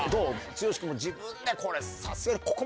剛君も自分でこれさすがに。